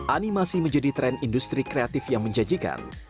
animasi menjadi tren industri kreatif yang menjanjikan